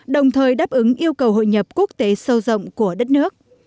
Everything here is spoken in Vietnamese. đồng thời đáp ứng yêu cầu hội nhập quốc tế sâu rộng của đất nước